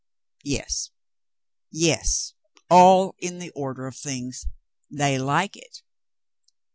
Yes, yes, all in the order of things. They like it."